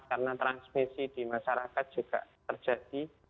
karena transmisi di masyarakat juga terjadi